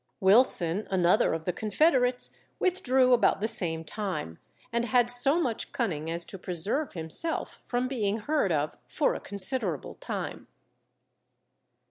Wilson, another of the confederates, withdrew about the same time, and had so much cunning as to preserve himself from being heard of for a considerable time.